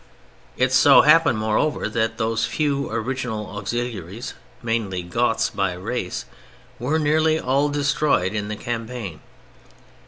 It so happened, moreover, that those few original auxiliaries—mainly Goths by race—were nearly all destroyed in the campaign.